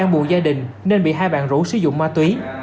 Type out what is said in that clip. hai bạn rủ sử dụng ma túy